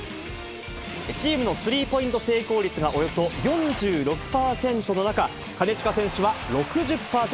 チームのスリーポイント成功率がおよそ４６％の中、金近選手は６０％。